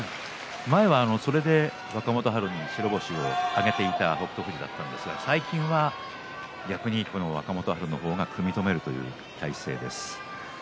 前は、それで若元春に白星を挙げていた北勝富士だったんですが逆に若元春の方が組み止めるという体勢です。